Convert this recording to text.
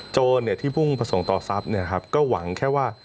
โจรที่พุ่งประสงค์ต่อทรัพย์ก็หวังแค่ว่า